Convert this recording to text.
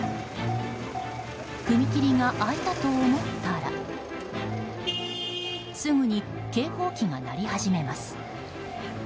踏切が開いたと思ったらすぐに警報機が鳴り始めます。